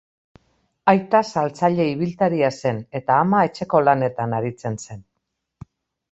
Aita saltzaile ibiltaria zen eta ama etxeko lanetan aritzen zen.